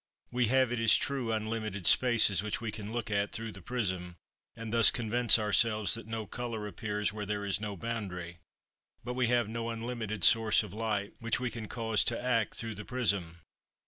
We have, it is true, unlimited spaces which we can look at through the prism, and thus convince ourselves that no colour appears where there is no boundary; but we have no unlimited source of light which we can cause to act through the prism.